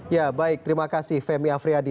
ya baik terima kasih femi afriyadi